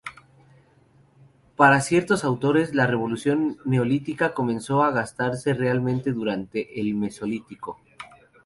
Para ciertos autores la revolución neolítica comenzó a gestarse realmente durante el Mesolítico.